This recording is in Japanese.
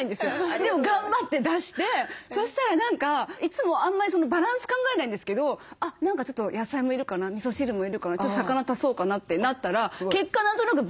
でも頑張って出してそしたら何かいつもあんまりバランス考えないんですけどあっ何かちょっと野菜もいるかなみそ汁もいるかなちょっと魚足そうかなってなったら結果何となくバランスよくなったんですよね。